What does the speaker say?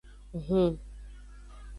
Hun.